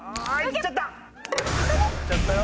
いっちゃったよ。